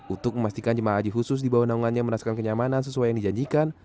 untuk memastikan jemaah haji khusus di bawah naungannya merasakan kenyamanan sesuai yang dijanjikan